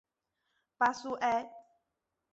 巴苏埃。